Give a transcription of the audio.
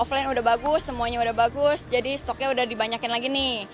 offline udah bagus semuanya udah bagus jadi stoknya udah dibanyakin lagi nih